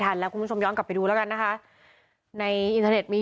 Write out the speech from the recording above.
แล้วคุณผู้ชมย้อนกลับไปดูแล้วกันนะคะในอินเทอร์เน็ตมี